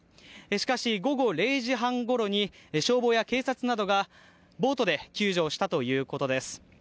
しかし午後０時半ごろに消防や警察などがボートで救助をしたということです。